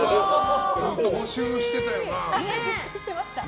ずっと募集してたよな。